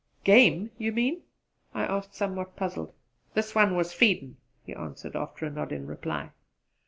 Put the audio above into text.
"Game you mean?" I asked, somewhat puzzled. "This one was feeding," he answered, after a nod in reply.